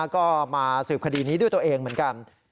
ก็มาสืบคดีนี้ด้วยตัวเองเหมือนกัน